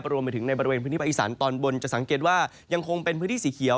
รวมไปถึงในบริเวณพื้นที่ภาคอีสานตอนบนจะสังเกตว่ายังคงเป็นพื้นที่สีเขียว